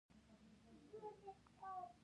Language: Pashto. د اسلام پیغمبر ص وفرمایل بریالی شو.